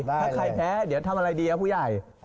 ถ้าใครแพ้เดี๋ยวทำอะไรดีครับผู้ใหญ่